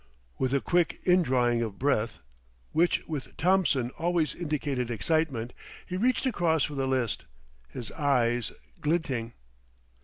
With a quick indrawing of breath, which with Thompson always indicated excitement, he reached across for the list, his eyes glinting.